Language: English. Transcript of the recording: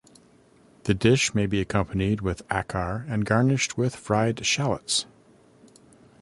The dish may be accompanied with acar and garnished with fried shallots.